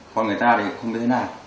con người ta thì cũng không biết thế nào